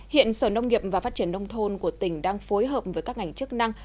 hiện sở nông nghiệp và phát triển nông thôn của tỉnh đang phối hợp với các ngành chức năng